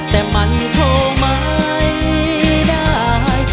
แต่มันโทรไม่ได้